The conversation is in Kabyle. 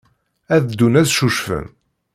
Ad ddun ad ccucfen.